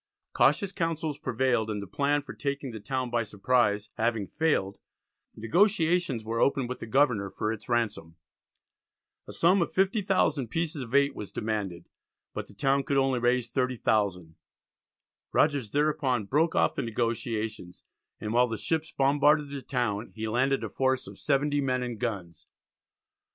Cautious counsels prevailed, and the plan for taking the town by surprise having failed, negotiations were opened with the governor for its ransom. A sum of 50,000 pieces of eight was demanded, but the town could only raise 30,000. Rogers thereupon broke off the negotiations and while the ships bombarded the town he landed a force of 70 men and guns.